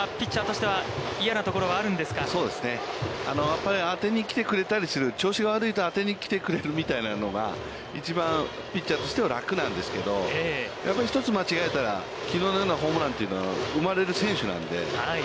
やっぱり当てに来てくれたりする調子が悪いと当てにきてくれるみたいなのが一番ピッチャーとしては楽なんですけど、やっぱり一つ間違えたらきのうのようなホームランというのは生まれる選手なので。